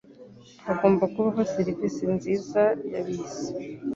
Hagomba kubaho serivisi nziza ya bisi.